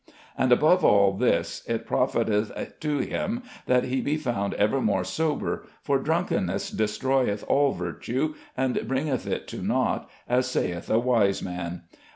And above all this, it profiteth to him that he be found evermore sober, for drunkenness destroyeth all virtue, and bringeth it to nought, as sayth a wise man.